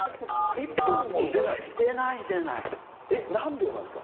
１分も出ないんですか？